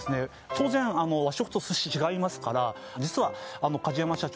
当然あの和食と寿司違いますから実はあの梶山社長